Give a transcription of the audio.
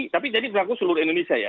tapi jadi berlaku seluruh indonesia ya